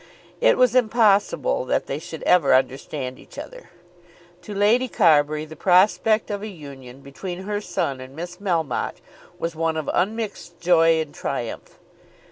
It was impossible that they should ever understand each other. To Lady Carbury the prospect of a union between her son and Miss Melmotte was one of unmixed joy and triumph.